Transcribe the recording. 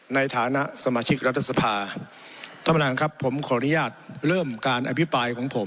และที่เราจะพูดถ้าครั้งหน่อยผมจะพูดมา